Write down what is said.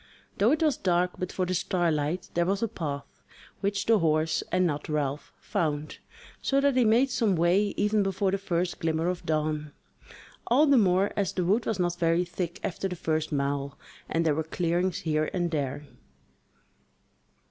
Though it was dark but for the starlight, there was a path, which the horse, and not Ralph, found, so that he made some way even before the first glimmer of dawn, all the more as the wood was not very thick after the first mile, and there were clearings here and there.